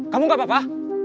kamu gak apa apa